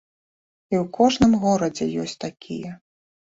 І ў кожным горадзе ёсць такія.